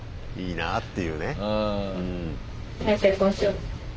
いいなっていうね。